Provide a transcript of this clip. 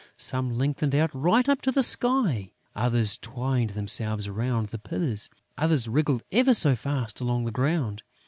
Some lengthened out right up to the sky; others twined themselves round the pillars; others wriggled ever so fast along the ground.